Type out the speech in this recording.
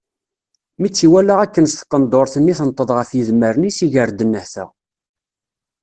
Mi tt-iwala akken s taqendurt-nni tenṭeḍ ɣef yedmaren-is, iger-d nnehta.